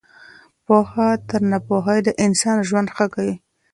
پوهه تر ناپوهۍ د انسان ژوند ښه کوي.